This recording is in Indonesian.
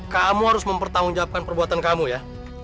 kamu harus mempertanggungjawabkan perbuatan kamu ya